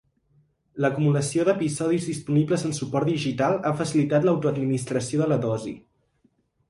L'acumulació d'episodis disponibles en suport digital ha facilitat l'autoadministració de la dosi.